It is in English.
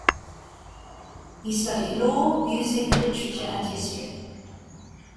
He studied Law, Music, Literature and History.